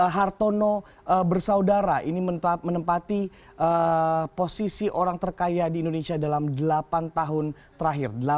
hartono bersaudara ini menempati posisi orang terkaya di indonesia dalam delapan tahun terakhir